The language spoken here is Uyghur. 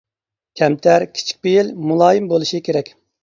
كەمتەر، كىچىك پېئىل، مۇلايىم بولۇشى كېرەك.